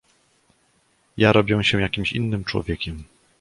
"Ja robię się jakimś innym człowiekiem..."